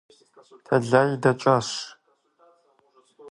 Тэлай дэкӀащ.